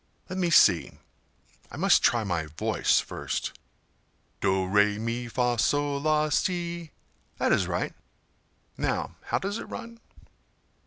Let me see—I must try my voice first—do, re, me, fa, sol, la, si—that is right! Now, how does it run?"